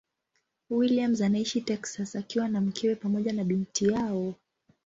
Williams anaishi Texas akiwa na mkewe pamoja na binti yao.